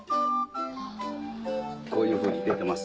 こういうふうに入れています。